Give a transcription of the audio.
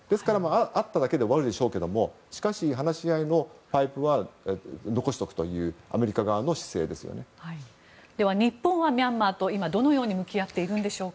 会っただけで終わるでしょうけどしかし、話し合いのパイプは残しておくというでは、日本はミャンマーと今、どのように向き合っているんでしょうか。